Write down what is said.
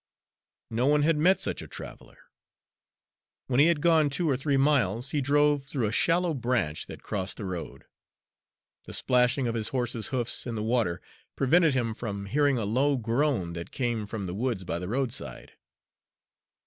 No one had met such a traveler. When he had gone two or three miles, he drove through a shallow branch that crossed the road. The splashing of his horse's hoofs in the water prevented him from hearing a low groan that came from the woods by the roadside.